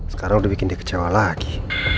sekarang udah bikin dia kecewa lagi